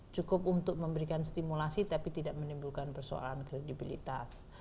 cukup untuk memberikan stimulasi tapi tidak menimbulkan persoalan kredibilitas